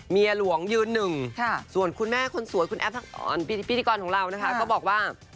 เมียหลวงยืน๑ส่วนคุณแม่คนสวยคุณแอบต่างตอนพิธีกรของเรานะคะก็บอกว่า